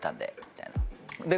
みたいなで